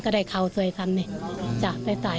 ก็ได้เขาสวยซักนิดไปใส่